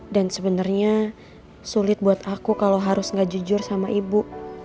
dan sebenarnya sulit buat aku kalau harus gak jujur sama ibu